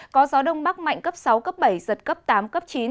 có gió đông bắc mạnh cấp sáu cấp bảy giật cấp tám cấp chín